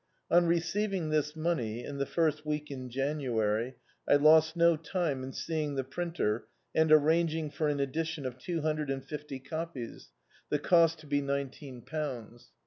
On receiving this money, in the first week in January, I lost no time in seeing the printer and arranging for an edition of two hundred and fifty copies, the cost to be nine D,i.,.db, Google At Last teen pounds.